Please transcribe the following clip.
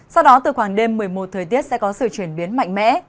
sau đó từ khoảng đêm một mươi một thời tiết sẽ có sự chuyển biến mạnh mẽ